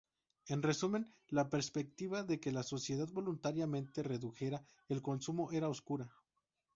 En resumen, la perspectiva de que la sociedad voluntariamente redujera el consumo era oscura.